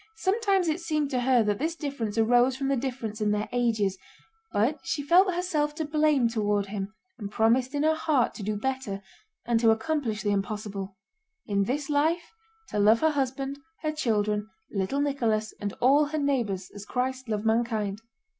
Sometimes it seemed to her that this difference arose from the difference in their ages, but she felt herself to blame toward him and promised in her heart to do better and to accomplish the impossible—in this life to love her husband, her children, little Nicholas, and all her neighbors, as Christ loved mankind.